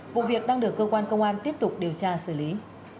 vụ việc đang được cơ quan công an tiếp tục điều tra xử lý